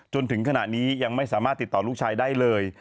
จนถึงขณะนี้ยังไม่สามารถติดต่อลูกชายได้เลย